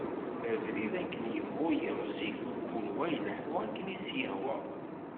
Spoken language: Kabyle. Abrid akken yebɣu yiɣzif, mkul wa ileḥḥu akken i s-yehwa.